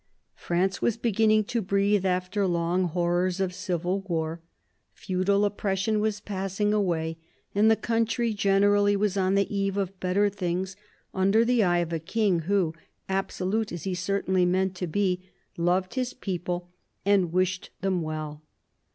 France was beginning to breathe after long horrors of civil war : feudal oppression was passing away, and the country generally was on the eve of better things, under the eye of a King who, absolute as he certainly meant to be, loved his people and wished them well.